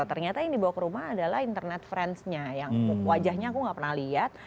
ternyata yang dibawa ke rumah adalah internet friendsnya yang wajahnya aku nggak pernah lihat